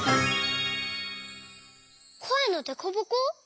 「こえのデコボコ」？